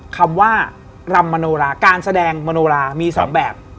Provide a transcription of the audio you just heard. คำว่ารำมโนราการแสดงมโนรามี๒แบบ